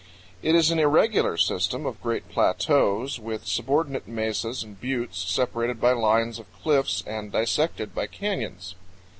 It is an irregular system of great plateaus with subordinate mesas and buttes separated by lines of cliffs and dissected by canyons.